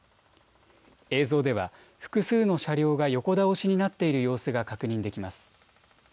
映像では複数の車両が横倒しになっている様子が確認できます。